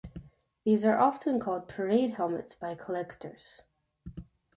These are often called "parade helmets" by collectors.